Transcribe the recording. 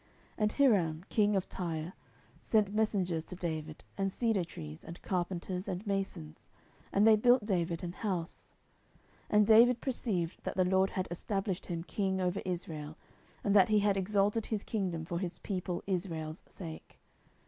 10:005:011 And Hiram king of Tyre sent messengers to David, and cedar trees, and carpenters, and masons: and they built David an house. 10:005:012 And David perceived that the LORD had established him king over Israel, and that he had exalted his kingdom for his people Israel's sake.